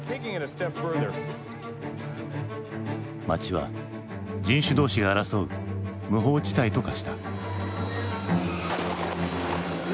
街は人種同士が争う無法地帯と化した。